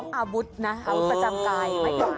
ของอาวุธนะอาวุธประจำกาย